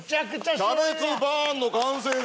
キャベツバーン！！の完成です。